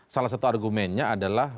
salah satu argumennya adalah